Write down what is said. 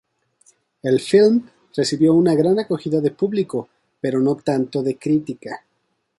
El film recibió una gran acogida de público, pero no tanto de crítica.